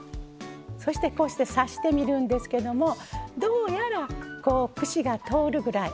そして、こうして刺してみるんですけどもどうやら串が通るぐらい。